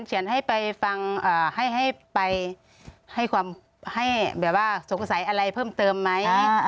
เขียนให้ไปฟังให้ความสงสัยอะไรเพิ่มเติมไหม